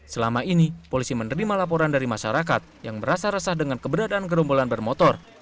selama ini polisi menerima laporan dari masyarakat yang merasa resah dengan keberadaan gerombolan bermotor